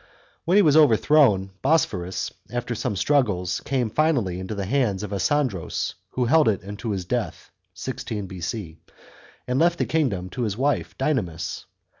When he was overthrown, Bosporus, after some struggles, came finally into the hands of Asandros, who held it until his death (c. 16 B.C.) and left the kingdom to his wife Dynamis.